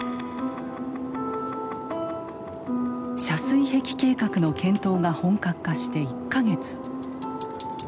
遮水壁計画の検討が本格化して１か月。